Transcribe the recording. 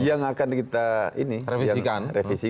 yang akan kita revisikan